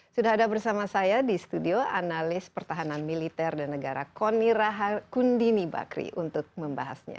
sudah ada bersama saya di studio analis pertahanan militer dan negara koni raha kundini bakri untuk membahasnya